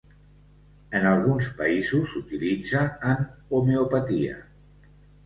En alguns països s'utilitza en homeopatia.